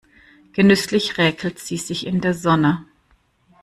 Genüsslich räkelt sie sich in der Sonne.